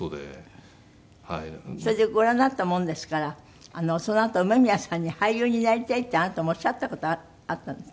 それでご覧になったものですからそのあと梅宮さんに俳優になりたいってあなたもおっしゃった事あったんですって？